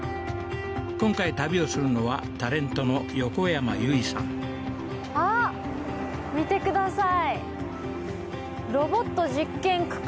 今回旅をするのはタレントの横山由依さんあっ見てください